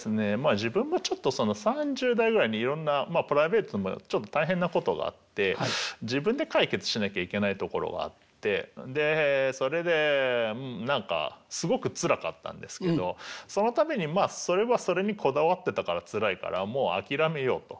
自分がちょっと３０代ぐらいにいろんなプライベートもちょっと大変なことがあって自分で解決しなきゃいけないところがあってでそれで何かすごくつらかったんですけどそのためにまあそれはそれにこだわってたからつらいからもう諦めようと。